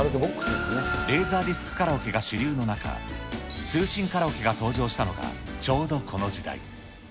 レーザーディスクカラオケが主流の中、通信カラオケが登場したのがちょうどこの時代。